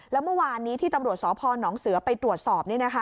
แล้วเมื่อวานนี้ที่ตำรวจสพนเสือไปตรวจสอบ